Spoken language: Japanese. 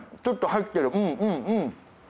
ちょっと入ってる。